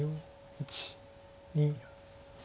１２３。